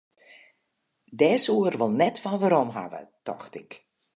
Dêr soe er wol net fan werom hawwe, tocht ik.